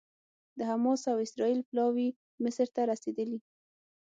د حماس او اسرائیل پلاوي مصر ته رسېدلي